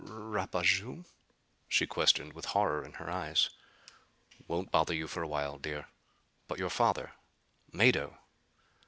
"Rapaju?" she questioned with horror in her eyes. "Won't bother you for a while, dear. But your father Mado?"